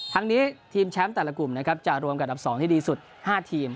ทั้งนี้ทีมแชมป์แต่ละกลุ่มนะครับจะรวมกับอันดับ๒ที่ดีสุด๕ทีม